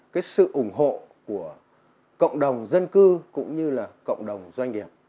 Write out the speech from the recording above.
cái sự ủng hộ của cộng đồng dân cư cũng như là cộng đồng doanh nghiệp